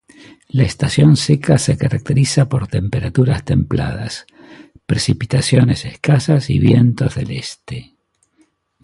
La estación seca se caracteriza por temperaturas templadas, precipitaciones escasas y vientos del este.